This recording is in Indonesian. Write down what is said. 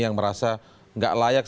yang merasa tidak layak